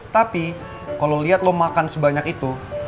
tapi kalo liat lo makan sebanyak itu